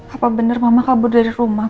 apa benar mama kabur dari rumah